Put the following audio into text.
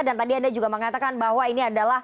dan tadi anda juga mengatakan bahwa ini adalah